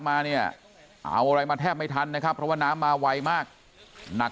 มาเนี่ยเอาอะไรมาแทบไม่ทันนะครับเพราะว่าน้ำมาไวมากหนัก